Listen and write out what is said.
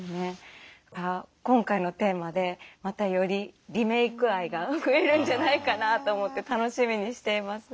だから今回のテーマでまたよりリメイク愛が増えるんじゃないかなと思って楽しみにしています。